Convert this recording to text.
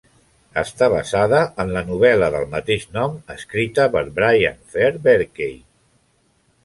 Està basada en la novel·la del mateix nom escrita per Brian Fair Berkey.